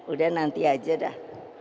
udah nanti aja dah